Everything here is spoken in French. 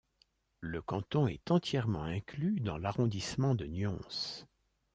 Le canton est entièrement inclus dans l'arrondissement de Nyons.